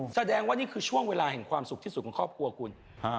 แสดงว่านี่คือช่วงเวลาแห่งความสุขที่สุดของครอบครัวคุณ